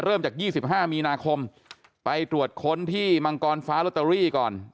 เริ่มจาก๒๕มีนาคมไปตรวจค้นที่มังกรฟ้าลอตเตอรี่ก่อน